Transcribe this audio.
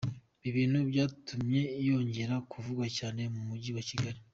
Ibintu byatumye yongera kuvugwa cyane mu mujyi wa Kigali.